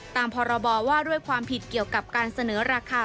พรบว่าด้วยความผิดเกี่ยวกับการเสนอราคา